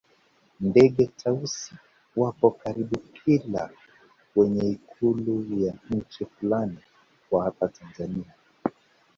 Ndege Tausi wapo karibu kila kwenye ikulu ya nchi fulani kwa hapa tanzania